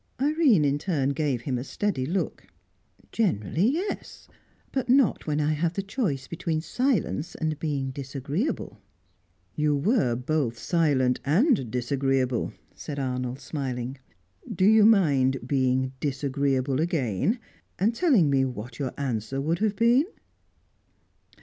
Irene, in turn, gave him a steady look. "Generally, yes. But not when I have the choice between silence and being disagreeable." "You were both silent and disagreeable," said Arnold, smiling. "Do you mind being disagreeable again, and telling me what your answer would have been?"